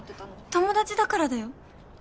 友達だからだよ。